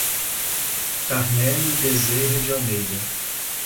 Carmelio Bezerra de Almeida